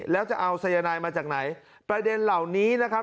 แล้วจะเอาสายนายมาจากไหนประเด็นเหล่านี้นะครับ